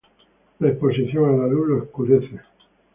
La exposición a la luz lo oscurece.